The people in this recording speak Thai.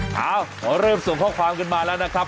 ขอเริ่มส่งข้อความกันมาแล้วนะครับ